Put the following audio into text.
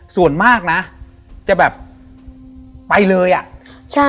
ส่วนมากนะจะแบบไปเลยอ่ะใช่